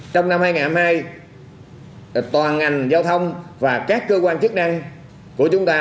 trong năm hai nghìn hai mươi hai toàn ngành giao thông và các cơ quan chức năng của chúng ta